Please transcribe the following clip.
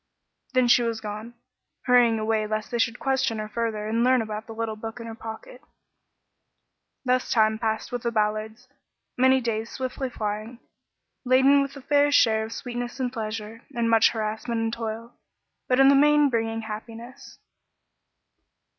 '" Then she was gone, hurrying away lest they should question her further and learn about the little book in her pocket. Thus time passed with the Ballards, many days swiftly flying, laden with a fair share of sweetness and pleasure, and much of harassment and toil, but in the main bringing happiness.